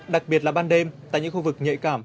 đặc biệt là ban đêm tại những khu vực nhạy cảm